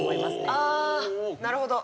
ああなるほど。